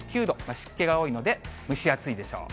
湿気が多いので蒸し暑いでしょう。